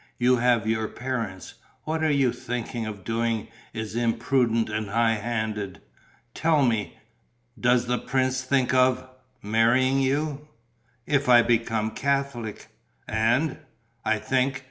You have your parents. What you are thinking of doing is imprudent and high handed. Tell me, does the prince think of ... marrying you?" "If I become a Catholic." "And ...?" "I think